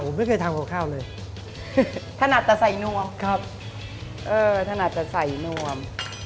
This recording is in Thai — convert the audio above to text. ผมไม่เคยทำกับข้าวเลยถนัดแต่ใส่นวมครับเออถนัดจะใส่นวม